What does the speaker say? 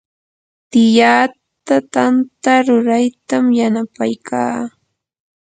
tiyaata tanta ruraytam yanapaykaa.